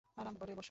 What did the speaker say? আরাম করে বসো।